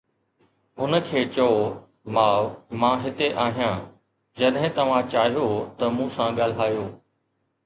هن کي چئو، "ماء، مان هتي آهيان، جڏهن توهان چاهيو ته مون سان ڳالهايو."